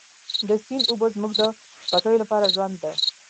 د سیند اوبه زموږ د پټیو لپاره ژوند دی.